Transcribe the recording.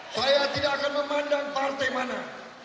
saya tidak akan memandang partai mana